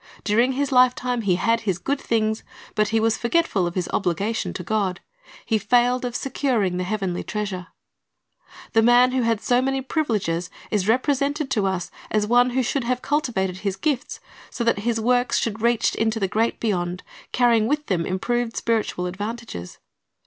During his lifetime he had his. good things, but he was forgetful of his obligation to God. He failed of securing the heavenly treasure. The rich man who had so many privileges is represented to us as one who should have cultivated his gifts, so that his works should reach to the great beyond, carrying with them improved spiritual advantages.